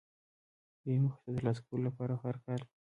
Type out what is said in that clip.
د یوې موخې د ترلاسه کولو لپاره هر کال.